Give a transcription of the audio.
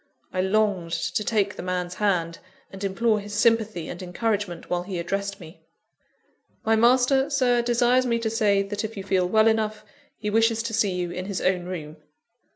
I longed to take the man's hand, and implore his sympathy and encouragement while he addressed me. "My master, Sir, desires me to say that, if you feel well enough, he wishes to see you in his own room."